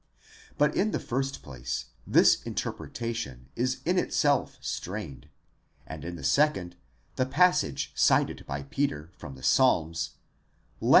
But in the first place this interpretation is in itself strained; and in the second, the passage cited by Peter from the Psalms : /et.